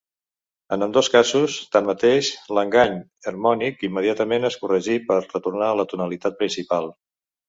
En ambdós casos, tanmateix, l'engany harmònic immediatament és 'corregit' per retornar a la tonalitat principal.